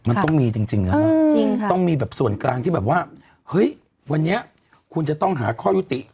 มันต้องมีจริงนะต้องมีแบบส่วนกลางที่แบบว่าเฮ้ยวันนี้คุณจะต้องหาข้อยุติ